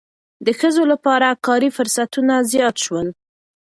د ښځو لپاره کاري فرصتونه زیات شول.